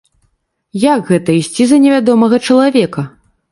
Як гэта ісці за невядомага чалавека?